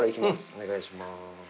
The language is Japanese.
お願いします。